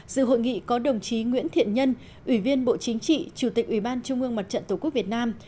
dự hội nghị có đồng chí nguyễn thiện nhân ủy viên bộ chính trị chủ tịch ủy ban trung ương mặt trận tổ quốc việt nam